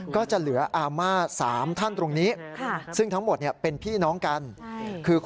ก็จะเหลืออาม่า๓ท่านตรงนี้ซึ่งทั้งหมดเป็นพี่น้องกัน